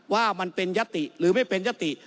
ว่ามันเป็นยัตติหรือไม่เป็นยติ